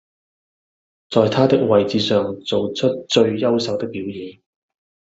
在他的位置上做出最優秀的表現